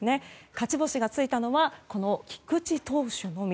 勝ち星がついたのは菊池投手のみ。